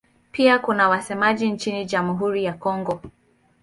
Pia kuna wasemaji nchini Jamhuri ya Kongo.